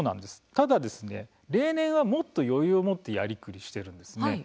ただ、例年はもっと余裕を持ってやりくりしているんです。